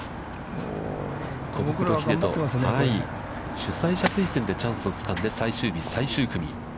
主催者推薦でチャンスをつかんで最終日最終組。